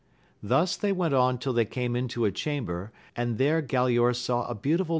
Thus they went on till they came into a chamber, and tiere Galaor saw a \)eaxx\ivi\x\.